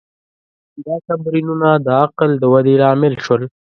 دا تمرینونه د عقل د ودې لامل شول.